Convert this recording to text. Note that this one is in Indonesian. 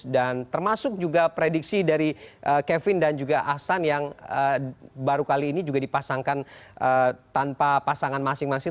termasuk juga prediksi dari kevin dan juga ahsan yang baru kali ini juga dipasangkan tanpa pasangan masing masing